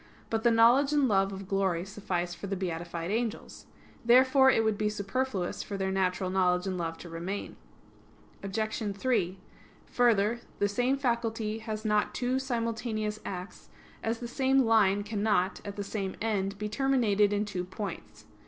But the knowledge and love of glory suffice for the beatified angels. Therefore it would be superfluous for their natural knowledge and love to remain. Obj. 3: Further, the same faculty has not two simultaneous acts, as the same line cannot, at the same end, be terminated in two points.